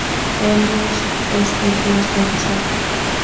Helios es el dios del Sol.